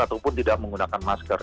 ataupun tidak menggunakan masker